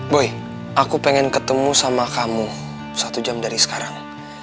boy aku pengen ketemu sama kamu satu jam dari sekarang